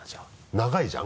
長いじゃん？